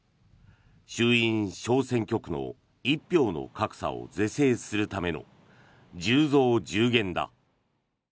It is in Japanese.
衆院小選挙区の一票の格差を是正するための１０増１０減だ。